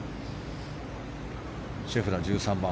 シェフラー、１３番。